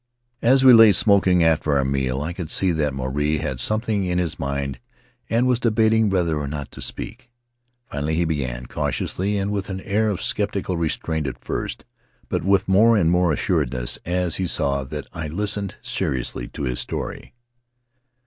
As we lay smoking after our meal I could see that Maruae had something in his mind and was debating whether or not to speak. Finally he began, cautiously and with an air of skeptical restraint at first, but with more and more assurance as he saw that I listened seriously to his story.